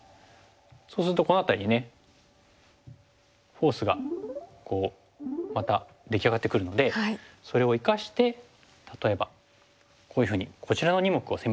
そうするとこの辺りにねフォースがまた出来上がってくるのでそれを生かして例えばこういうふうにこちらの２目を攻めていく。